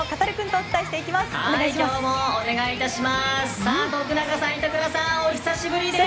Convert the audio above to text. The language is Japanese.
お久しぶりです！